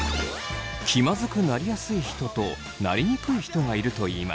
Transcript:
気まずくなりやすい人となりにくい人がいるといいます。